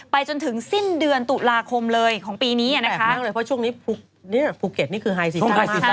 ไปจนถึงสิ้นเดือนตุลาคมเลยของปีนี้แบบนั้นเลยเพราะช่วงนี้ภูเก็ตนี่คือไฮสีใต้